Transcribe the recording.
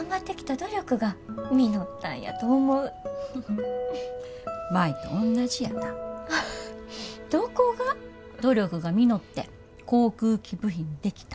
努力が実って航空機部品出来た。